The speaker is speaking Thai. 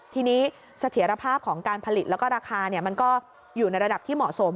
ทีนี้เสถียรภาพของการผลิตแล้วก็ราคามันก็อยู่ในระดับที่เหมาะสม